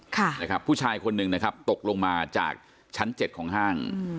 ค่ะนะครับผู้ชายคนหนึ่งนะครับตกลงมาจากชั้นเจ็ดของห้างอืม